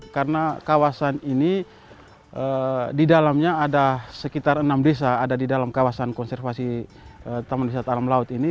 karena kawasan ini di dalamnya ada sekitar enam desa ada di dalam kawasan konservasi taman wisata alam laut ini